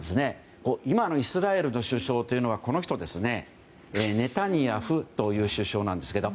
今のイスラエルの首相はこの人ですね、ネタニヤフという首相なんですけど。